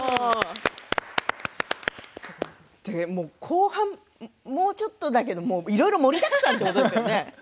後半もうちょっとだけどいろいろ盛りだくさんなんですね。